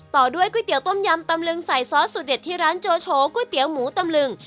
ต่อด้วยก๋วยเตี๋ยต้มยำตำลึงใส่ซอสสูตรเด็ดที่ร้านโจโฉก๋วยเตี๋ยวหมูตำลึง